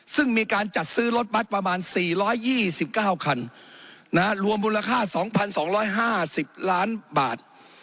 ซึ่งมีการจัดซื้อรถบัตรประมาณ๔๒๙คันรวมมูลค่า๒๒๕๐ล้านบาท